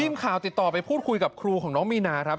ทีมข่าวติดต่อไปพูดคุยกับครูของน้องมีนาครับ